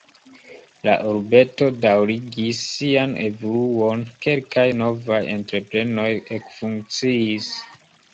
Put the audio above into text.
La urbeto daŭrigis sian evoluon, kelkaj novaj entreprenoj ekfunkciis.